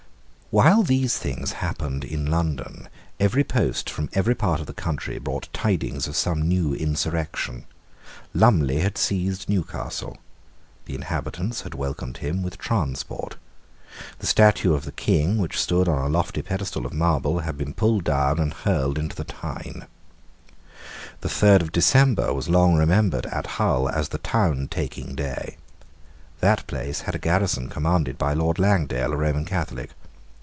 While these things happened in London, every post from every part of the country brought tidings of some new insurrection. Lumley had seized Newcastle. The inhabitants had welcomed him with transport. The statue of the King, which stood on a lofty pedestal of marble, had been pulled down and hurled into the Tyne. The third of December was long remembered at Hull as the town taking day. That place had a garrison commanded by Lord Langdale, a Roman Catholic.